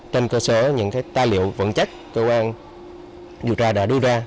trên cơ sở những cái tài liệu vận trách cơ quan điều tra đã đưa ra